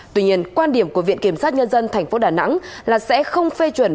tuy nhiên quan điểm của viện kiểm sát nhân dân tp đà nẵng là sẽ không phê chuẩn